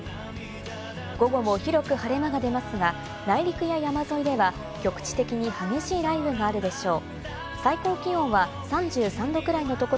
午後も広く晴れ間が出ますが、内陸や山沿いでは局地的に激しい雷雨があるでしょう。